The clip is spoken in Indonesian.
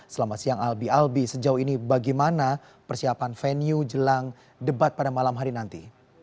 selamat siang albi albi sejauh ini bagaimana persiapan venue jelang debat pada malam hari nanti